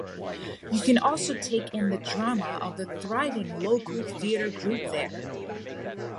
You can also take in the drama of the thriving local theatre group there.